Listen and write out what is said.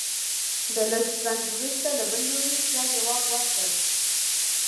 د لږ ځنډ وروسته له بل لوري چا ځواب ورکړ.